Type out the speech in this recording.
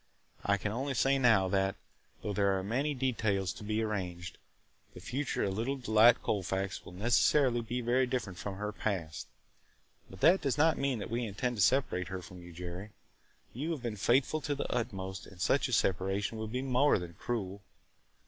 I can only say now that, though there are many details to be arranged, the future of little Delight Colfax will necessarily be very different from her past. But that does not mean that we intend to separate her from you, Jerry. You have been faithful to the utmost and such a separation would be more than cruel.